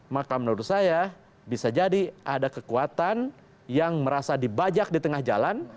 maka menurut saya bisa jadi ada kekuatan yang merasa dibajak di tengah jalan